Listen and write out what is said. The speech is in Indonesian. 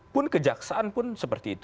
pun kejaksaan pun seperti itu